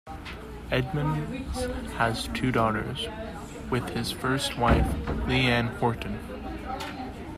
Edmonds has two daughters with his first wife, Lee Ann Horton.